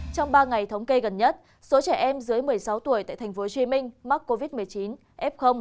trong ba ngày thống kê gần nhất số trẻ em dưới một mươi sáu tuổi tại thành phố hồ chí minh mắc covid một mươi chín f